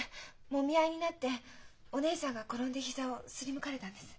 もみ合いになってお姉さんが転んで膝を擦りむかれたんです。